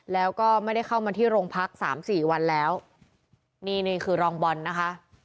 แล้วก็ไม่ได้เข้ามาที่โรงพักสามสี่วันแล้วนี่นี่คือรองบอลนะคะ